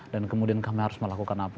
dan kemudian kami harus melakukan apa